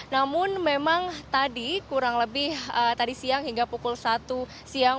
namun memang tadi kurang lebih tadi siang hingga pukul satu siang